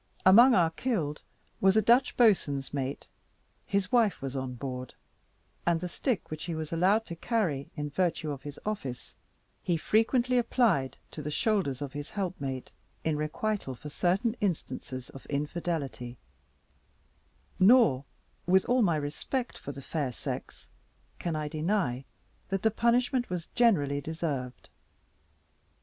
Among our killed, was a Dutch boatswain's mate: his wife was on board, and the stick which he was allowed to carry in virtue of his office, he very frequently applied to the shoulders of his helpmate, in requital for certain instances of infidelity; nor, with all my respect for the fair sex, can I deny that the punishment was generally deserved.